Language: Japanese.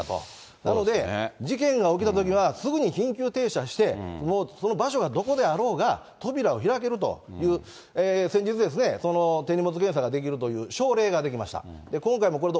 なので、事件が起きたときにはすぐに緊急停車して、もうその場所がどこであろうが扉を開けるという、先日、手荷物検査ができるというしょうれいが出来ました。